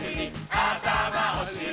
あたまおしり